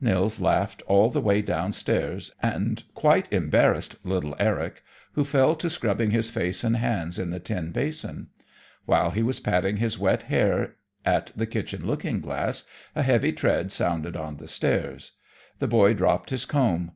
Nils laughed all the way downstairs, and quite embarrassed little Eric, who fell to scrubbing his face and hands at the tin basin. While he was patting his wet hair at the kitchen looking glass, a heavy tread sounded on the stairs. The boy dropped his comb.